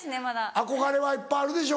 憧れはいっぱいあるでしょ。